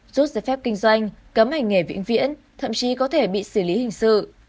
rút giấy phép kinh doanh cấm hành nghề vĩnh viễn thậm chí có thể bị xử lý hình sự